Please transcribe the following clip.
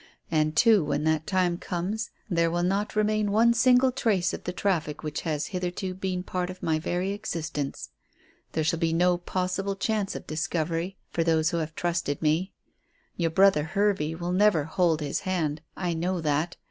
And, too, when that time comes there will not remain one single trace of the traffic which has hitherto been part of my very existence. There shall be no possible chance of discovery for those who have trusted me. Your brother Hervey will never hold his hand. I know that.